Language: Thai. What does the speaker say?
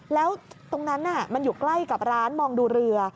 แล้วตรงนั้นมันอยู่ใกล้กับร้านมองดูเรือ